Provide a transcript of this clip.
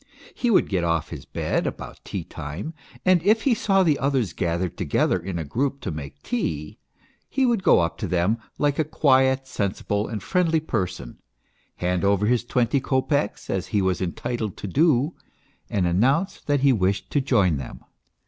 He would get off his bed about tea time, and if he saw the others gathered together in a group to make tea he would go up to them like a quiet, sensible, and friendly person, hand over his twenty kopecks, as he was entitled to do, and announce that he wished to join them.